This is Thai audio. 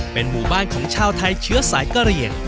เป็นหมู่บ้านของชาวไทยเชื้อสายกะเหลี่ยง